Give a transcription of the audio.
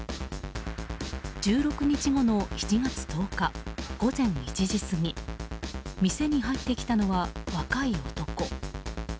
１６日後の７月１０日午前１時過ぎ店に入ってきたのは、若い男。